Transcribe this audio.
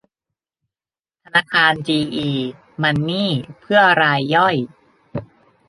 ธนาคารจีอี มันนี่ เพื่อรายย่อย